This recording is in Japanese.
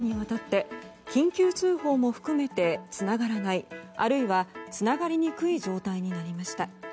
携帯電話が午後９時過ぎから４５分間にわたって緊急通報も含めてつながらない、あるいはつながりにくい状態になりました。